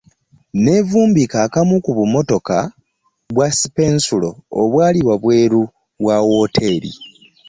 Nneevumbika akamu ku bumotoka bwa sipensulo obwali ebweru wa wooteeri.